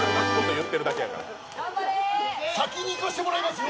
先に行かせてもらいますよ。